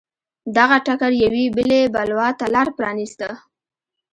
دغه ټکر یوې بلې بلوا ته لار پرانېسته.